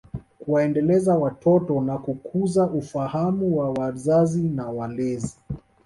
Kuwaendeleza watoto na kukuza ufahamu wa wazazi na walezi